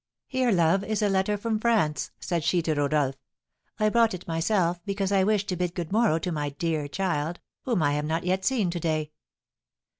"Here, love, is a letter from France," said she to Rodolph; "I brought it myself, because I wished to bid good morrow to my dear child, whom I have not yet seen to day."